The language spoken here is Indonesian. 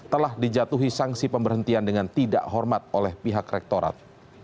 telah dijatuhi sanksi pemberhentian dengan tidak hormat oleh pihak rektorat